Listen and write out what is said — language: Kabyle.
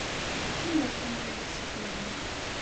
Anwa akka umi ay d-tessuqqleḍ aya?